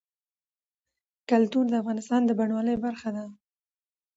کلتور د افغانستان د بڼوالۍ برخه ده.